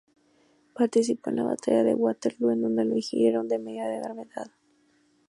Participó en la batalla de Waterloo, en donde lo hirieron de mediana gravedad.